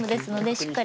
しっかり。